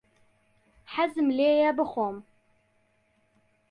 حەزم لێیە بخۆم.